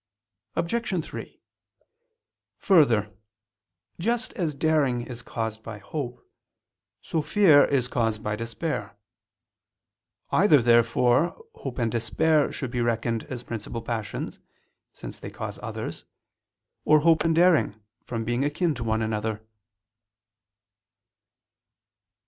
Obj. 3: Further, just as daring is caused by hope, so fear is caused by despair. Either, therefore, hope and despair should be reckoned as principal passions, since they cause others: or hope and daring, from being akin to one another.